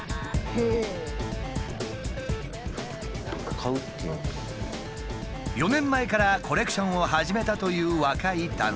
４年前からコレクションを始めたという若い男性。